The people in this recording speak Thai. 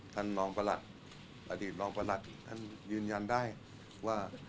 ท่านรองประหลัดอดีตรองประหลัดท่านยืนยันได้ว่า